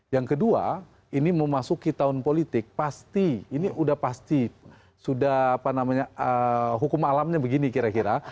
yang kedua ini memasuki tahun politik pasti ini sudah pasti sudah apa namanya hukum alamnya begini kira kira